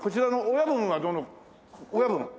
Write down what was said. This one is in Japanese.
親分。